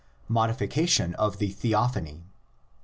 MODIFICATION OF THE THEOPHANY.